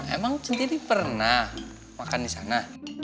emang sendiri pernah makan di sana